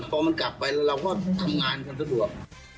พอมันกลับไปแล้วเราก็ทำงานกันสะดวก